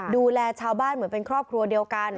ดูแลชาวบ้านเหมือนเป็นครอบครัวเดียวกัน